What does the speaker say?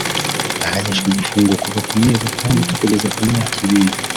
ahanishwa igifungo kuva ku mezi atandatu kugeza ku myaka ibiri